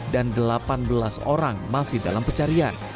dan delapan belas orang masih dalam pencarian